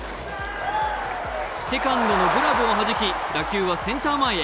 セカンドのグラブを弾き、打球はセンター前へ。